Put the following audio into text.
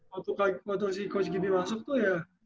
waktu coach gd masuk tuh ya